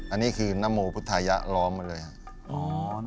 อันนี้คือนโมพุทธายะล้อมมาเลยครับ